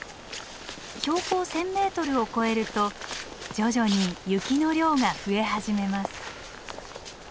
標高１，０００ｍを超えると徐々に雪の量が増え始めます。